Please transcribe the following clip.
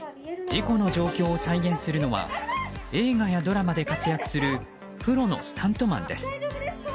事故の状況を再現するのは映画やドラマで活躍するプロのスタントマンです。